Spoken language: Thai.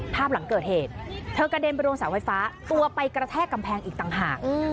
หลังเกิดเหตุเธอกระเด็นไปโดนเสาไฟฟ้าตัวไปกระแทกกำแพงอีกต่างหาก